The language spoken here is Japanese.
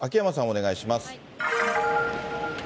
お願いします。